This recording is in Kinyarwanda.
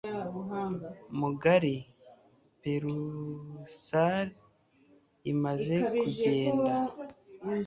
mugari perusal imaze kugenda